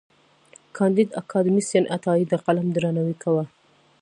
کانديد اکاډميسن عطايي د قلم درناوی کاوه.